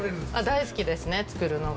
大好きですね、作るのが。